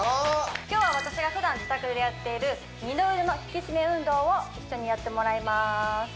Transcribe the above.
今日は私がふだん自宅でやっている二の腕の引き締め運動を一緒にやってもらいます